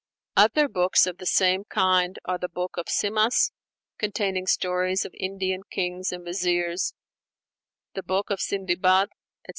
Other books of the same kind are the book of Simas, containing stories of Indian kings and viziers, the book of Sindibad, etc.